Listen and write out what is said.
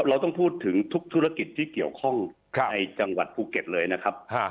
เราต้องพูดถึงทุกธุรกิจที่เกี่ยวข้องในจังหวัดภูเก็ตเลยนะครับ